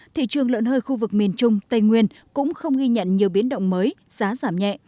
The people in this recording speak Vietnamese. thị trường lợn hơi khu vực miền trung tây nguyên cũng không ghi nhận nhiều biến động mới giá giảm nhẹ